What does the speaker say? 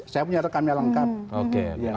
saya punya rekamnya lengkap